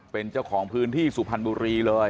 เป็นเจ้าของพื้นที่สุพรรณบุรีเลย